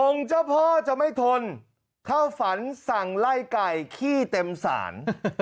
เจ้าพ่อจะไม่ทนเข้าฝันสั่งไล่ไก่ขี้เต็มศาล